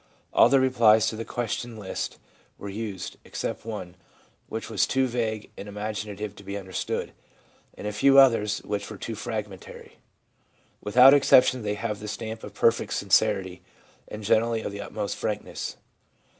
All the replies to the question list were used, except one, which was too vague and imaginative to be understood, and a few others which were too fragmentary. Without exception they have the stamp of perfect sincerity, and generally of the utmost frankness.